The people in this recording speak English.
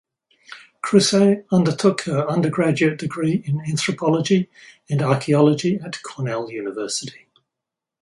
Kruse undertook her undergraduate degree in Anthropology and Archaeology at Cornell University.